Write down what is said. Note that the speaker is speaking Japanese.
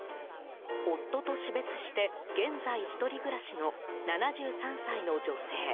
夫と死別して現在１人暮らしの７３歳の女性。